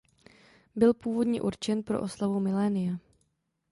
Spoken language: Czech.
Byl původně určen pro oslavu milénia.